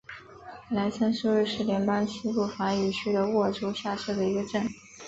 莱森是瑞士联邦西部法语区的沃州下设的一个镇。